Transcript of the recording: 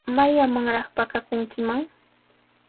¿Mayllamanraq pakakunkiman?